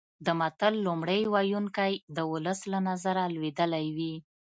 د متل لومړی ویونکی د ولس له نظره لوېدلی وي